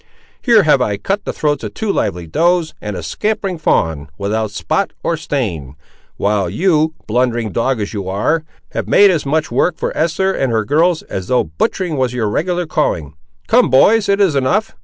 "Here have I cut the throats of two lively does, and a scampering fawn, without spot or stain; while you, blundering dog as you ar', have made as much work for Eester and her girls, as though butchering was your regular calling. Come, boys; it is enough.